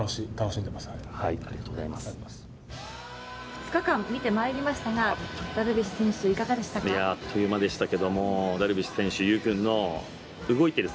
２日間見てまいりましたがダルビッシュ選手いかがでしたか？